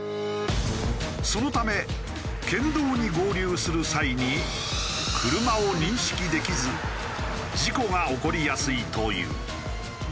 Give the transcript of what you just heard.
そのため県道に合流する際に車を認識できず事故が起こりやすいという。